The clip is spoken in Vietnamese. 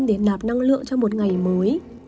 để nạp năng lượng cho một ngày mới